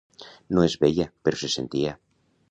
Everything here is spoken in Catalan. No es veia, però se sentia.